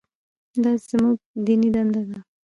دا زموږ دیني دنده ده.